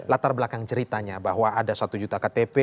latar belakang ceritanya bahwa ada satu juta ktp